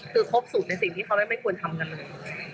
คือพบศูนย์ในสิ่งที่เขาไม่ควรทำกันเลยอืม